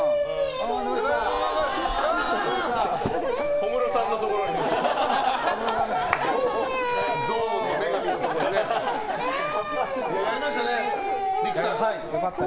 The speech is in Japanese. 小室さんのところに行った。